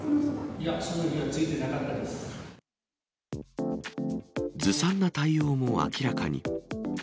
いや、その日はついてなかっずさんな対応も明らかに。